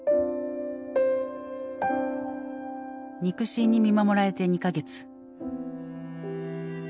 肉親に見守られて２カ月。